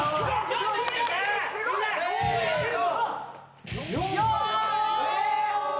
せの。